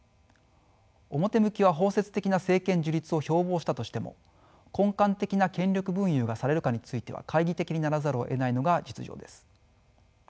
表向きは包摂的な政権樹立を標榜したとしても根幹的な権力分有がされるかについては懐疑的にならざるをえないのが実情です。